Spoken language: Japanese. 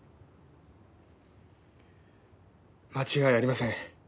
間違いありません。